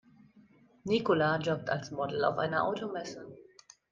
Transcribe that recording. Nicola jobbt als Model auf einer Automesse.